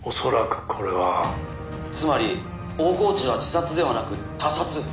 「つまり大河内は自殺ではなく他殺？」